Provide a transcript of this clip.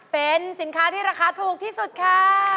เป็นสินค้าที่ราคาถูกที่สุดค่ะ